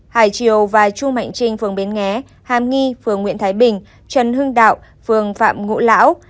hải triều và chu mạnh trinh phường bến nghé hàm nghi phường nguyễn thái bình trần hưng đạo phường phạm ngũ lão